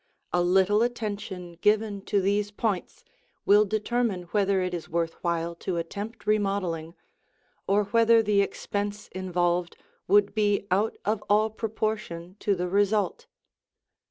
A little attention given to these points will determine whether it is worth while to attempt remodeling, or whether the expense involved would be out of all proportion to the result.